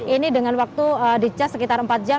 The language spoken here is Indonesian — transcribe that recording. ini dengan waktu di cas sekitar empat jam